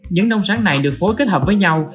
những nông sáng này được phối kết hợp với nhau